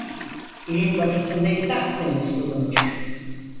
İlin batısında ise Akdeniz bulunur.